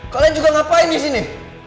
kalian juga ngapain disini